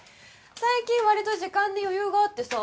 最近わりと時間に余裕があってさ